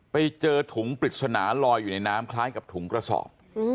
ไปเจอถุงปริศนาลอยอยู่ในน้ำคล้ายกับถุงกระสอบ